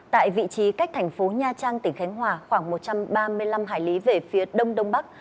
tại vị trí cách thành phố nha trang tỉnh khánh hòa khoảng một trăm ba mươi năm hải lý về phía đông đông bắc